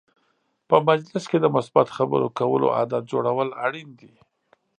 په مجلس کې د مثبت خبرو کولو عادت جوړول اړین دي.